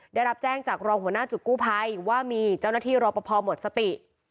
ได้รับแจ้งจากรองหัวหน้าจุดกู้ภัยว่ามีเจ้าหน้าที่รอปภหมดสติ